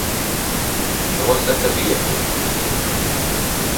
Nosaka vietu.